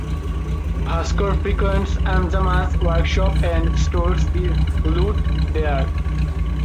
Bhaskar frequents Anjamma’s workshop and stores his loot there.